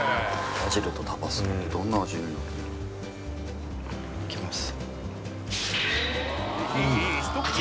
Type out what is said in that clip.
バジルとタバスコってどんな味になるいきます